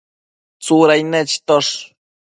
Tsudain nechitosh